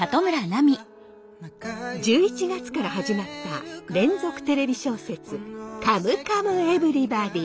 １１月から始まった連続テレビ小説「カムカムエヴリバディ」。